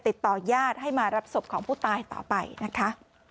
ติดต่อญาติให้มารับศพของผู้ตายต่อไปนะคะ